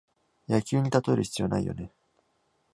野球にたとえる必要ないよね